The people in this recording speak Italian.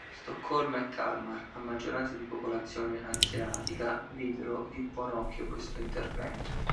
Stoccolma e Kalmar, a maggioranza di popolazione anseatica, videro di buon occhio questo intervento.